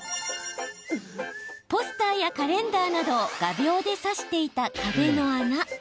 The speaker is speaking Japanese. ポスターやカレンダーなどを画びょうで刺していた壁の穴。